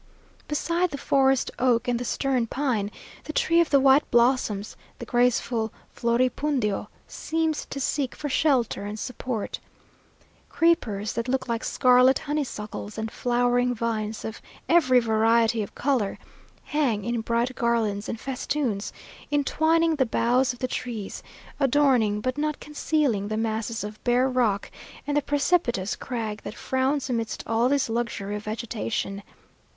Beside the forest oak and the stern pine, the tree of the white blossoms, the graceful floripundio, seems to seek for shelter and support. Creepers that look like scarlet honeysuckles, and flowering vines of every variety of colour, hang in bright garlands and festoons, intwining the boughs of the trees; adorning, but not concealing the masses of bare rock and the precipitous crag that frowns amidst all this luxury of vegetation.